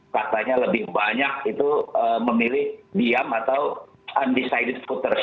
katanya lebih banyak itu memilih diam atau undecided voters